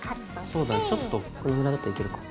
そうだねちょっとこれぐらいだといけるか。